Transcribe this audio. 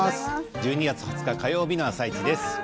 １２月２０日火曜日の「あさイチ」です。